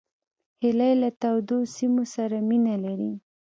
هیلۍ له تودو سیمو سره مینه لري